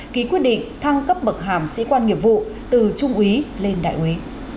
ký quyết định thăng cấp bậc hàm sĩ quan nghiệp vụ từ trung úy lên đại úy